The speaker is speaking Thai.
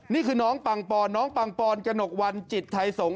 นี่คือน้องปังปอนน้องปังปอนกระหนกวันจิตไทยสงฆ